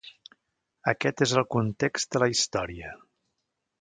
Aquest és el context de la història.